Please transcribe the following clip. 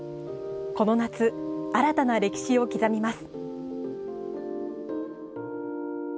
この夏、新たな歴史を刻みます。